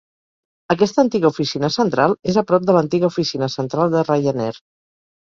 Aquesta antiga oficina central és a prop de l'antiga oficina central de Ryanair.